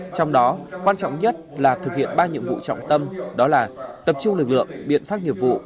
trong đó quan trọng nhất là thực hiện ba nhiệm vụ trọng tâm đó là tập trung lực lượng biện pháp nghiệp vụ